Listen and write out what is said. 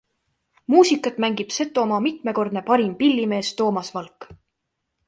Muusikat mängib Setomaa mitmekordne parim pillimees Toomas Valk.